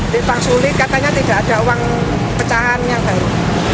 dipang sulit katanya tidak ada uang pecahan yang baru